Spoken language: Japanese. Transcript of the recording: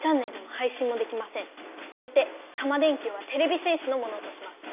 よってタマ電Ｑはてれび戦士のものとします。